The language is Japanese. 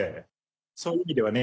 そういう意味ではね